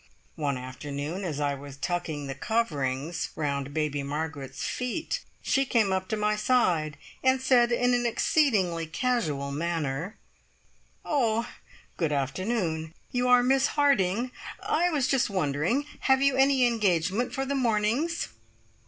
One afternoon, as I was tucking the coverings round Baby Margaret's feet, she came up to my side, and said in an exceedingly casual manner: "Oh, good afternoon. You are Miss Harding? I was just wondering have you any engagement for the mornings?"